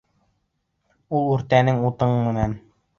Ил үртәнең утың менән.